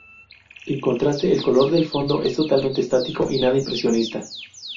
En contraste, el color del fondo es totalmente estático y nada impresionista.